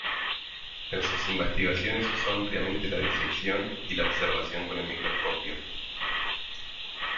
En sus investigaciones usó ampliamente la disección y la observación con el microscopio.